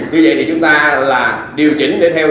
như vậy thì chúng ta là điều chỉnh để theo